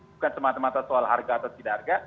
bukan semata mata soal harga atau tidak harga